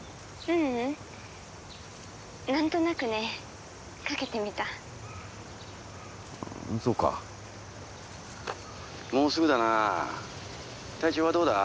ううん何となくねかけてみたそうかもうすぐだな体調はどうだ？